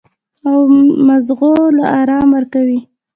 او مزغو له ارام ورکوي -